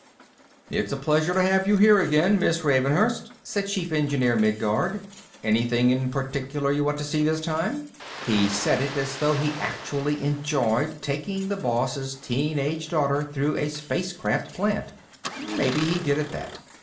"It's a pleasure to have you here again, Miss Ravenhurst," said Chief Engineer Midguard. "Anything in particular you want to see this time?" He said it as though he actually enjoyed taking the boss' teenage daughter through a spacecraft plant. Maybe he did, at that.